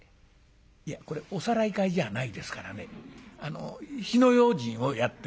「いやこれおさらい会じゃないですからねあの火の用心をやってもらいたいんですよ」。